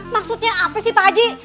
maksudnya apa sih pak haji